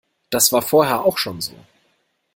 Das war vorher auch schon so.